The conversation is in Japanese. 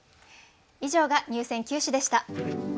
以上が入選九首でした。